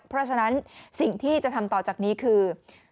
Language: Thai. เพราะฉะนั้นสิ่งที่จะทำต่อจากนี้คือ